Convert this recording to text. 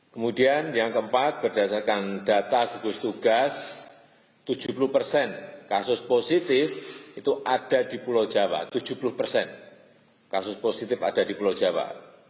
kemudian yang keempat berdasarkan data gugus tugas tujuh puluh persen kasus positif itu ada di pulau jawa tujuh puluh persen kasus positif ada di pulau jawa